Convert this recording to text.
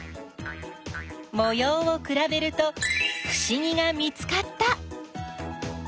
もようをくらべるとふしぎが見つかった！